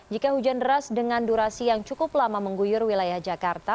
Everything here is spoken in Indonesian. jika hujan deras dengan durasi yang cukup lama mengguyur wilayah jakarta